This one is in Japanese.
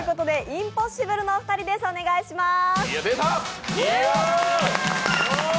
インポッシブルのお二人です、お願いします。